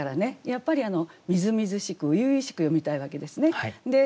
やっぱりみずみずしく初々しく詠みたいわけですね。